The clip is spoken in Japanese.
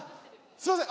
すみません。